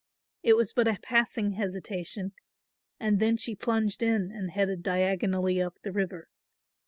It was but a passing hesitation and then she plunged in and headed diagonally up the river.